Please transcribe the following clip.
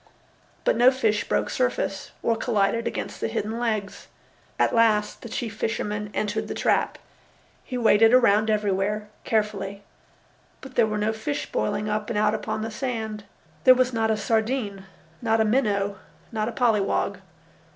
But no fish broke surface or collided against the hidden legs. At last the chief fisherman entered the trap. He waded around everywhere, carefully. But there were no fish boiling up and out upon the sand. There was not a sardine, not a minnow, not a polly wog.